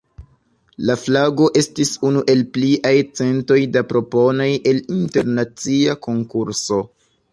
La flago estis unu el pliaj centoj da proponoj el internacia konkurso.